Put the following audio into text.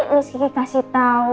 miss gigi kasih tau